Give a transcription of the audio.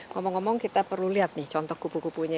nah kalau kita mau kita perlu lihat nih contoh kupu kupunya